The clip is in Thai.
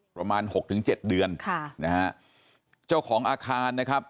หกถึงเจ็ดเดือนค่ะนะฮะเจ้าของอาคารนะครับ